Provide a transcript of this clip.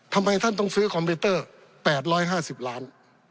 ทำไมท่านต้องซื้อคอมพิวเตอร์๘๕๐ล้าน